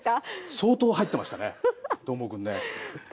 相当入ってましたね、どーもくんね。